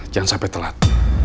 jangan sampai telat